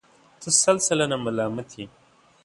ته سل سلنه ملامت یې.